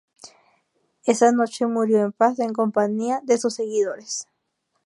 Esa noche, murió en paz en compañía de sus seguidores.